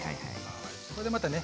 これでまたね